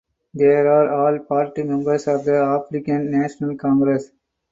They are all party members of the African National Congress.